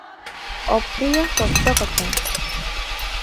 ଅପ୍ରିୟ ସତ କଥା ।